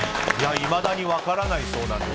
いまだに分からないそうなんです。